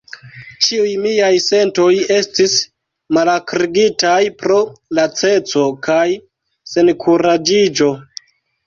Ĉiuj miaj sentoj estis malakrigitaj pro laceco kaj senkuraĝiĝo.